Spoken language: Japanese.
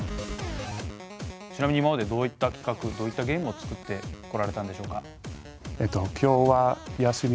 ちなみに今までどういった企画どういったゲームを作ってこられたんでしょうか？